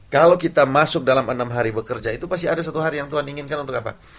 kalau kita masuk dalam enam hari bekerja itu pasti ada satu hari yang tuhan inginkan untuk apa